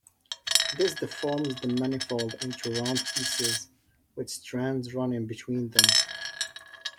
This deforms the manifold into round pieces with strands running between them.